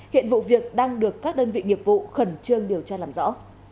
hiện vụ việc đang được các đơn vị nghiệp vụ khẩn trương điều tra làm rõ